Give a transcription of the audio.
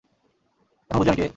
এখন বুঝলি আমি কে?